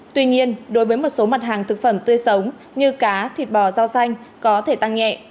tuy nhiên đối với một số mặt hàng thực phẩm tươi sống như cá thịt bò rau xanh có thể tăng nhẹ